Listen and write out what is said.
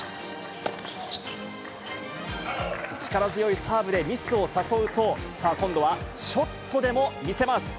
力強いサーブでミスを誘うと、今度はショットでも見せます。